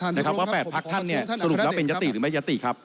นะครับว่า๘พักท่านเนี่ยสรุปแล้วเป็นยติหรือไม่ยติครับ